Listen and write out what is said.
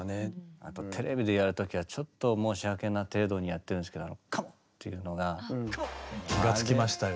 あとテレビでやる時はちょっと申し訳な程度にやってるんですけど「カモン！」というのが。気がつきましたよ。